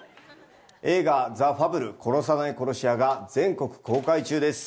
映画『ザ・ファブル殺さない殺し屋』が全国公開中です。